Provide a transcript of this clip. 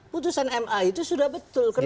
putusan ma itu sudah betul